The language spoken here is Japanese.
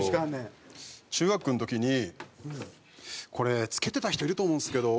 中学の時にこれ付けてた人いると思うんですけど。